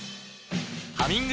「ハミング」